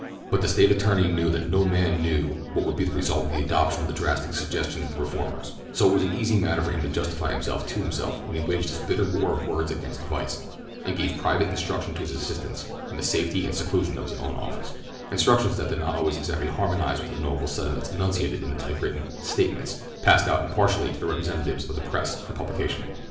But the State attorney knew that no man knew what would be the result of the adoption of the drastic suggestions of the reformers, so it was an easy matter for him to justify himself to himself when he waged his bitter war of words against vice, and gave private instructions to his assistants in the safety and seclusion of his own office—instructions that did not always exactly harmonize with the noble sentiments enunciated in the typewritten "statements" passed out impartially to the representatives of the press for publication.